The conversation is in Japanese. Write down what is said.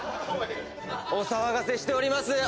お騒がせしております。